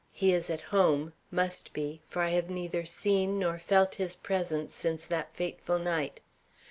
He is at home, must be, for I have neither seen nor felt his presence since that fateful night.